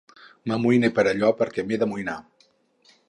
M'amoïne per allò perquè m'he d'amoïnar.